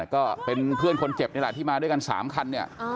ก็เป็นเพื่อนคนเจ็บนี่แหละที่มาด้วยกัน๓คันเนี่ย